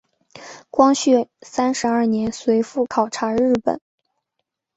光绪三十二年随父考察日本。